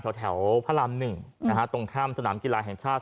แถวแถวพระรามหนึ่งอะฮะตรงข้ามสนามกีฬาแห่งชาติ